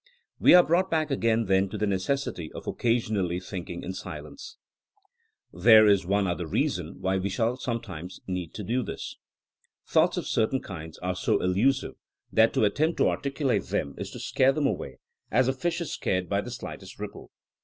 We are brought back again, then, to the neces sity of occasionally thinking in silence. There 82 THINKINa AS A SCIENCE is one other reason why we shall sometimes need to do this. Thoughts of certain kinds are so elusive that to attempt to articulate them is to scare them away, as a fish is scared by the slightest ripple.